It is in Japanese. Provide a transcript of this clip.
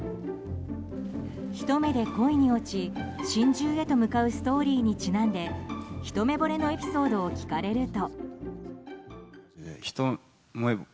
ひと目で恋に落ち心中へと向かうストーリーにちなんでひと目ぼれのエピソードを聞かれると。